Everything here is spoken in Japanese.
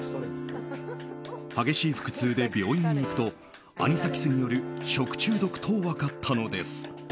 激しい腹痛で病院に行くとアニサキスによる食中毒と分かったのです。